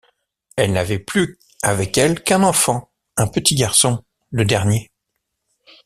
Elle n’avait plus avec elle qu’un enfant, un petit garçon, le dernier.